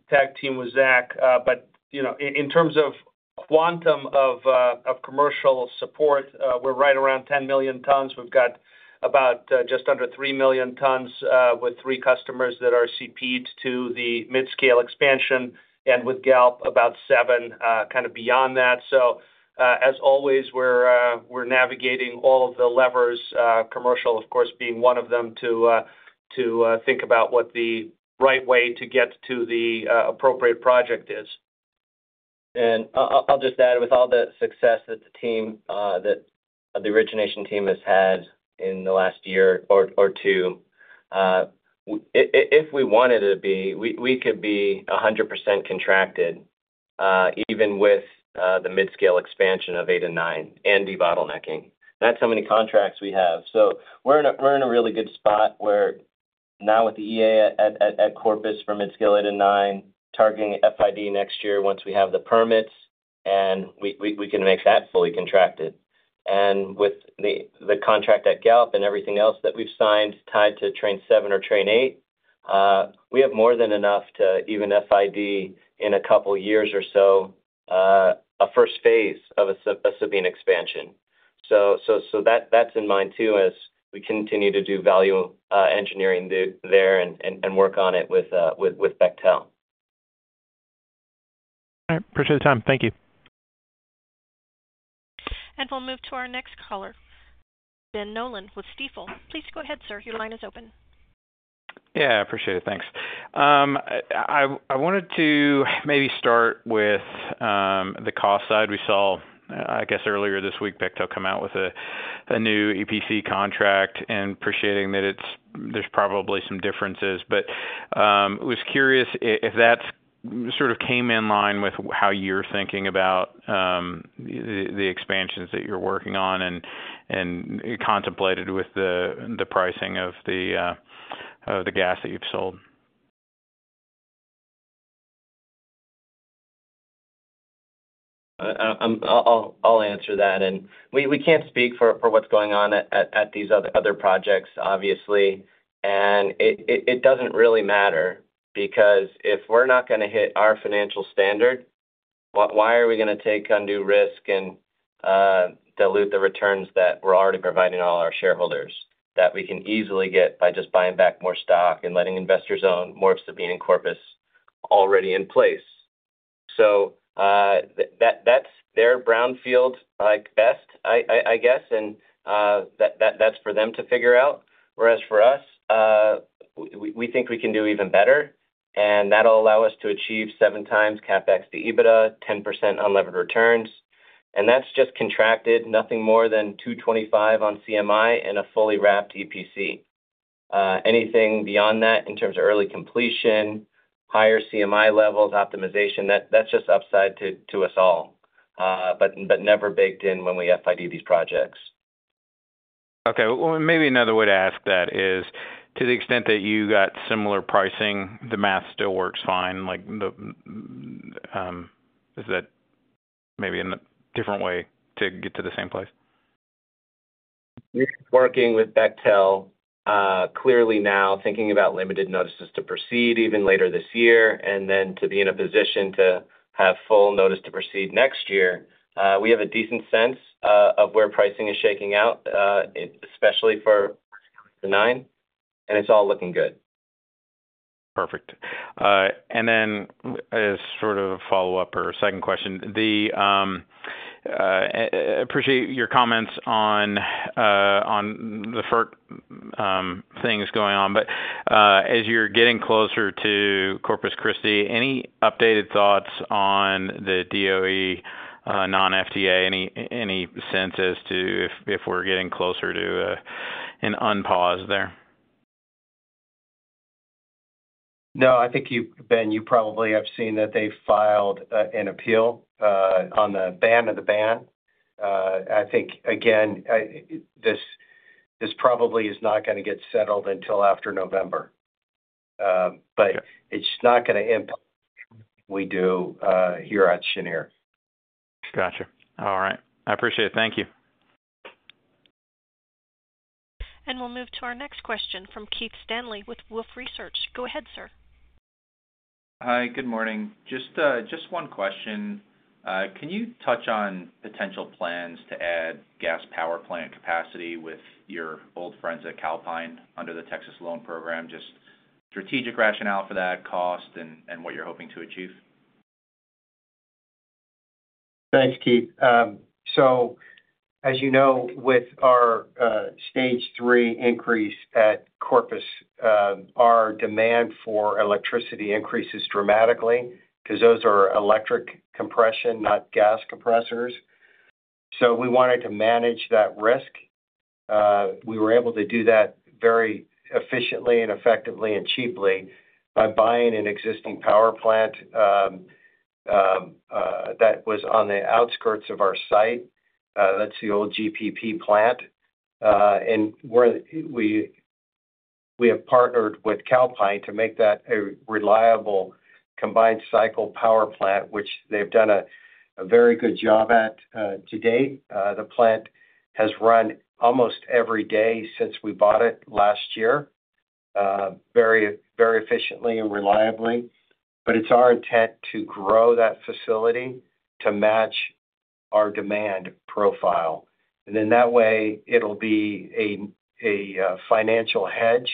tag team with Zach. But in terms of quantum of commercial support, we're right around 10 million tons. We've got about just under 3 million tons with three customers that are tied to the mid-scale expansion and with Galp about 7 kind of beyond that. So as always, we're navigating all of the levers, commercial, of course, being one of them to think about what the right way to get to the appropriate project is. And I'll just add, with all the success that the team, the origination team has had in the last year or two, if we wanted to be, we could be 100% contracted, even with the mid-scale expansion of 8 and 9 and debottlenecking. Not so many contracts we have. So we're in a really good spot where now with the EA at Corpus for mid-scale 8 and 9, targeting FID next year once we have the permits, and we can make that fully contracted. And with the contract at Galp and everything else that we've signed tied to Train 7 or Train 8, we have more than enough to even FID in a couple of years or so, a first phase of a Sabine expansion. So that's in mind too as we continue to do value engineering there and work on it with Bechtel. Appreciate the time. Thank you. We'll move to our next caller, Ben Nolan with Stifel. Please go ahead, sir. Your line is open. Yeah, I appreciate it. Thanks. I wanted to maybe start with the cost side. We saw, I guess, earlier this week, Bechtel come out with a new EPC contract and appreciating that there's probably some differences. But I was curious if that sort of came in line with how you're thinking about the expansions that you're working on and contemplated with the pricing of the gas that you've sold. I'll answer that. And we can't speak for what's going on at these other projects, obviously. It doesn't really matter because if we're not going to hit our financial standard, why are we going to take on new risk and dilute the returns that we're already providing all our shareholders that we can easily get by just buying back more stock and letting investors own more of Sabine and Corpus already in place? So that's their brownfield at best, I guess, and that's for them to figure out. Whereas for us, we think we can do even better, and that'll allow us to achieve 7x CapEx to EBITDA, 10% unlevered returns. And that's just contracted, nothing more than $2.25 on CMI and a fully wrapped EPC. Anything beyond that in terms of early completion, higher CMI levels, optimization, that's just upside to us all, but never baked in when we FID these projects. Okay. Well, maybe another way to ask that is, to the extent that you got similar pricing, the math still works fine. Is that maybe a different way to get to the same place? Working with Bechtel, clearly now thinking about limited notices to proceed even later this year, and then to be in a position to have full notice to proceed next year, we have a decent sense of where pricing is shaking out, especially for the nine, and it's all looking good. Perfect. And then as sort of a follow-up or second question, I appreciate your comments on the things going on. But as you're getting closer to Corpus Christi, any updated thoughts on the DOE non-FTA? Any sense as to if we're getting closer to an unpause there? No, I think, Ben, you probably have seen that they filed an appeal on the ban on the ban. I think, again, this probably is not going to get settled until after November. But it's not going to impact what we do here at Cheniere. Gotcha. All right. I appreciate it. Thank you. And we'll move to our next question from Keith Stanley with Wolfe Research. Go ahead, sir. Hi, good morning. Just one question. Can you touch on potential plans to add gas power plant capacity with your old friends at Calpine under the Texas loan program? Just strategic rationale for that, cost, and what you're hoping to achieve. Thanks, Keith. So as you know, with our Stage 3 increase at Corpus, our demand for electricity increases dramatically because those are electric compression, not gas compressors. So we wanted to manage that risk. We were able to do that very efficiently and effectively and cheaply by buying an existing power plant that was on the outskirts of our site. That's the old GPP plant. We have partnered with Calpine to make that a reliable combined cycle power plant, which they've done a very good job at to date. The plant has run almost every day since we bought it last year, very efficiently and reliably. It's our intent to grow that facility to match our demand profile. In that way, it'll be a financial hedge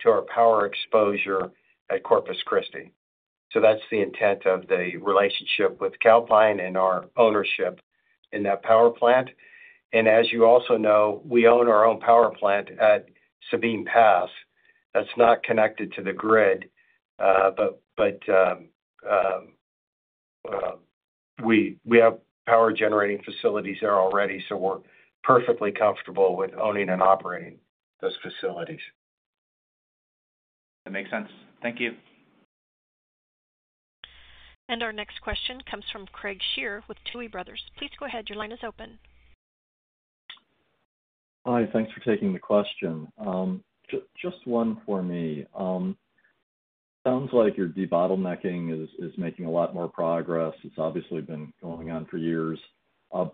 to our power exposure at Corpus Christi. That's the intent of the relationship with Calpine and our ownership in that power plant. As you also know, we own our own power plant at Sabine Pass. That's not connected to the grid, but we have power generating facilities there already, so we're perfectly comfortable with owning and operating those facilities. That makes sense. Thank you. And our next question comes from Craig Shere with Tuohy Brothers. Please go ahead. Your line is open. Hi, thanks for taking the question. Just one for me. Sounds like your debottlenecking is making a lot more progress. It's obviously been going on for years.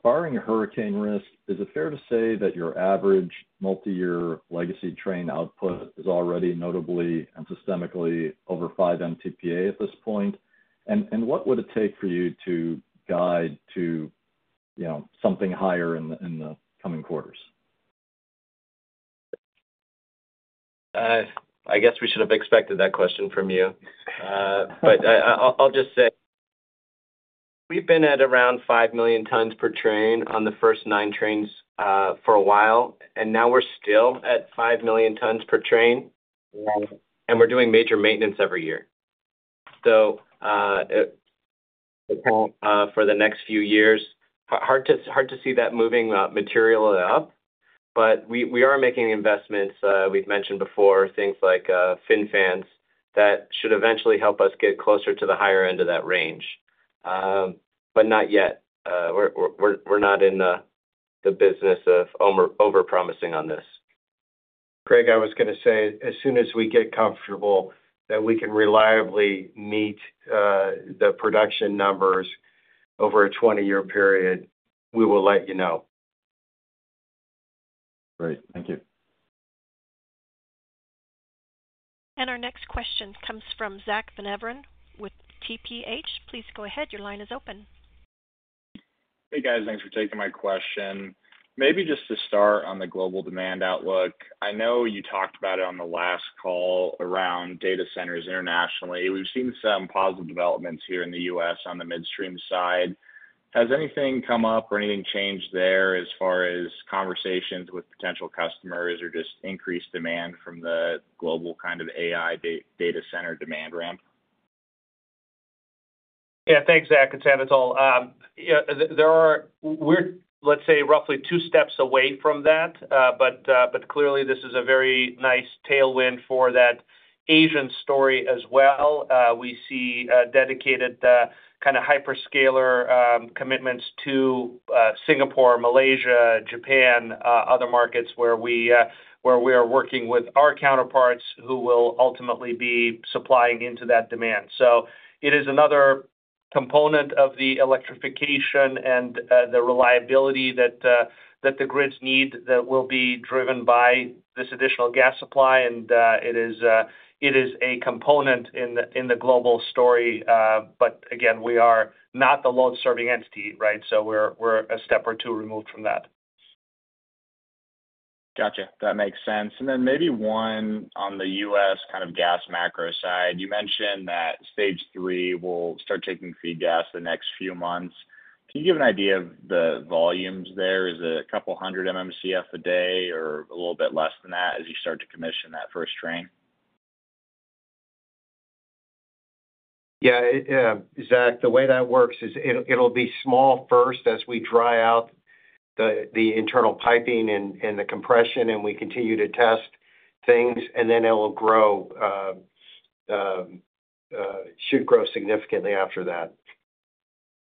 Barring a hurricane risk, is it fair to say that your average multi-year legacy train output is already notably and systemically over 5 MTPA at this point? And what would it take for you to guide to something higher in the coming quarters? I guess we should have expected that question from you. But I'll just say we've been at around 5 million tons per train on the first 9 trains for a while, and now we're still at 5 million tons per train, and we're doing major maintenance every year. So for the next few years, hard to see that moving material up, but we are making investments. We've mentioned before, things like fin fans that should eventually help us get closer to the higher end of that range. But not yet. We're not in the business of overpromising on this. Craig, I was going to say, as soon as we get comfortable that we can reliably meet the production numbers over a 20-year period, we will let you know. Great. Thank you. And our next question comes from Zack Van Everen with TPH. Please go ahead. Your line is open. Hey, guys. Thanks for taking my question. Maybe just to start on the global demand outlook, I know you talked about it on the last call around data centers internationally. We've seen some positive developments here in the U.S. on the midstream side. Has anything come up or anything changed there as far as conversations with potential customers or just increased demand from the global kind of AI data center demand ramp? Yeah, thanks, Zach. It's Anatol. We're, let's say, roughly two steps away from that, but clearly, this is a very nice tailwind for that Asian story as well. We see dedicated kind of hyperscaler commitments to Singapore, Malaysia, Japan, other markets where we are working with our counterparts who will ultimately be supplying into that demand. So it is another component of the electrification and the reliability that the grids need that will be driven by this additional gas supply. It is a component in the global story. But again, we are not the load-serving entity, right? So we're a step or two removed from that. Gotcha. That makes sense. And then maybe one on the U.S. kind of gas macro side. You mentioned that Stage 3 will start taking feed gas the next few months. Can you give an idea of the volumes there? Is it a couple hundred MMCF a day or a little bit less than that as you start to commission that first train? Yeah, Zach, the way that works is it'll be small first as we dry out the internal piping and the compression, and we continue to test things, and then it'll grow, should grow significantly after that.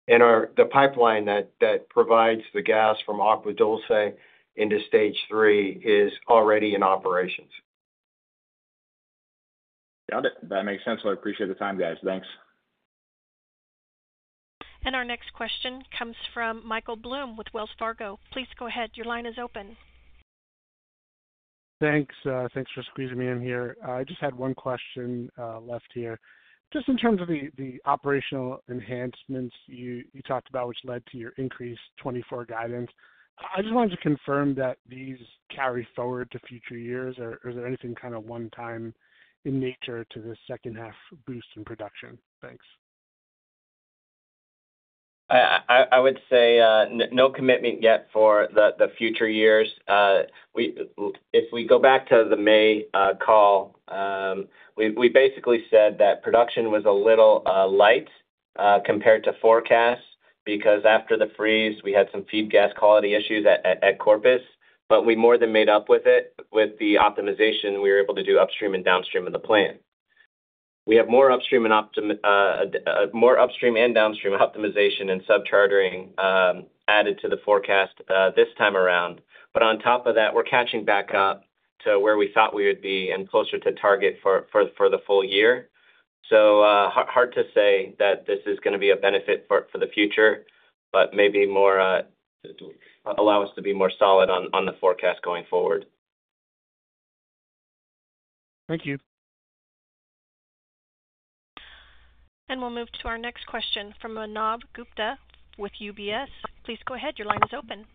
And the pipeline that provides the gas from Agua Dulce into Stage 3 is already in operations. Got it. That makes sense. Well, I appreciate the time, guys. Thanks. And our next question comes from Michael Blum with Wells Fargo. Please go ahead. Your line is open. Thanks. Thanks for squeezing me in here. I just had one question left here. Just in terms of the operational enhancements you talked about, which led to your increased 2024 guidance, I just wanted to confirm that these carry forward to future years. Or is there anything kind of one-time in nature to the second-half boost in production? Thanks. I would say no commitment yet for the future years. If we go back to the May call, we basically said that production was a little light compared to forecast because after the freeze, we had some feed gas quality issues at Corpus, but we more than made up with it with the optimization we were able to do upstream and downstream of the plant. We have more upstream and downstream optimization and subchartering added to the forecast this time around. But on top of that, we're catching back up to where we thought we would be and closer to target for the full year. So hard to say that this is going to be a benefit for the future, but maybe allow us to be more solid on the forecast going forward. Thank you. We'll move to our next question from Manav Gupta with UBS. Please go ahead. Your line is open.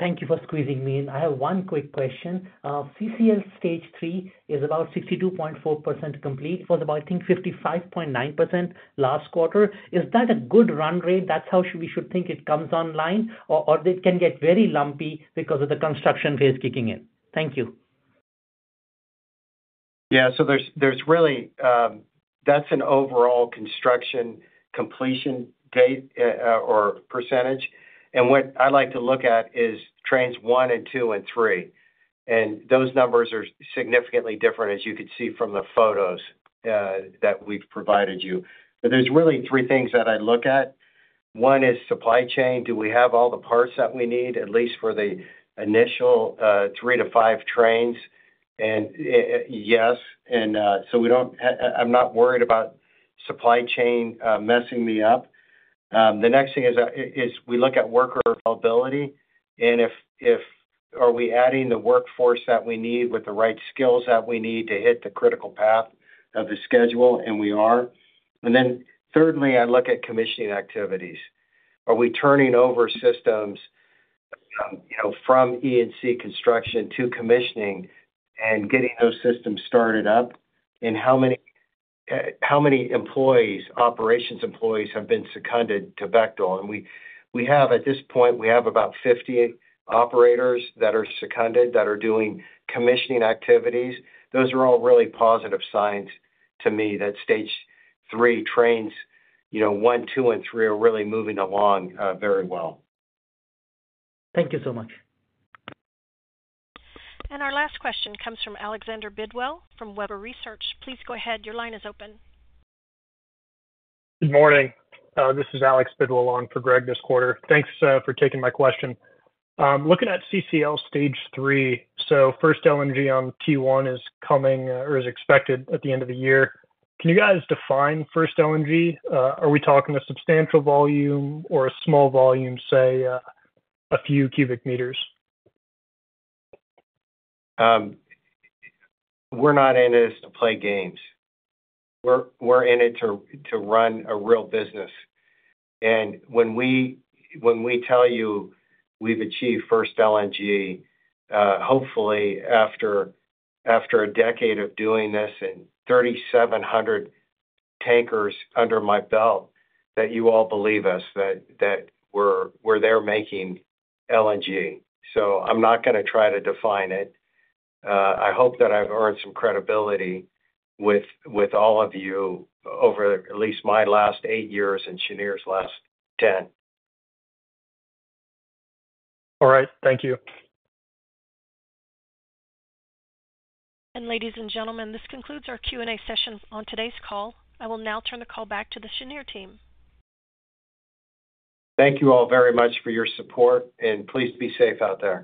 Thank you for squeezing me in. I have one quick question. CCL Stage 3 is about 62.4% complete, from 55.9% last quarter. Is that a good run rate? That's how we should think it comes online, or it can get very lumpy because of the construction phase kicking in. Thank you. Yeah. So there's really that's an overall construction completion date or percentage. And what I like to look at is trains 1 and 2 and 3. And those numbers are significantly different, as you could see from the photos that we've provided you. But there's really 3 things that I look at. One is supply chain. Do we have all the parts that we need, at least for the initial 3 to 5 trains? And yes. And so I'm not worried about supply chain messing me up. The next thing is we look at workability. And are we adding the workforce that we need with the right skills that we need to hit the critical path of the schedule? And we are. And then thirdly, I look at commissioning activities. Are we turning over systems from E&C construction to commissioning and getting those systems started up? How many employees, operations employees, have been seconded to Bechtel? At this point, we have about 50 operators that are seconded that are doing commissioning activities. Those are all really positive signs to me that Stage 3 trains 1, 2, and 3 are really moving along very well. Thank you so much. Our last question comes from Alexander Bidwell from Webber Research. Please go ahead. Your line is open. Good morning. This is Alex Bidwell on for Greg this quarter. Thanks for taking my question. Looking at CCL Stage 3, so first LNG on T1 is coming or is expected at the end of the year. Can you guys define first LNG? Are we talking a substantial volume or a small volume, say, a few cubic meters? We're not in it to play games. We're in it to run a real business. When we tell you we've achieved first LNG, hopefully after a decade of doing this and 3,700 tankers under my belt, that you all believe us that we're there making LNG. So I'm not going to try to define it. I hope that I've earned some credibility with all of you over at least my last eight years and Cheniere's last 10. All right. Thank you. And ladies and gentlemen, this concludes our Q&A session on today's call. I will now turn the call back to the Cheniere team. Thank you all very much for your support, and please be safe out there.